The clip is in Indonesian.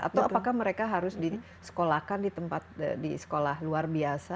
atau apakah mereka harus disekolahkan di sekolah luar biasa